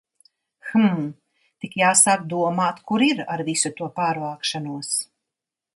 Hm, tik jāsāk domāt, kur ir ar visu to pārvākšanos.